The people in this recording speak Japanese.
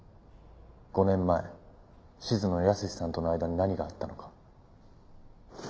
５年前静野保志さんとの間に何があったのか。